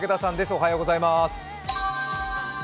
おはようございます。